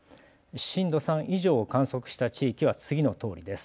震度３以上を観測した地域は次のとおりです。